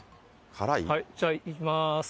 じゃあいきます。